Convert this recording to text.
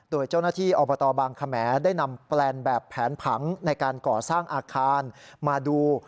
โดยเจ้าหน้าที่อบตบางขมได้นำแปลนแบบแผนผังในการก่อสร้างอาคารมาดู